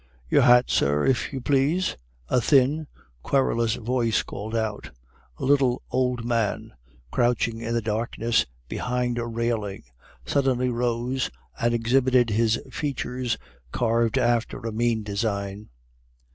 "Your hat, sir, if you please?" a thin, querulous voice called out. A little old man, crouching in the darkness behind a railing, suddenly rose and exhibited his features, carved after a mean design.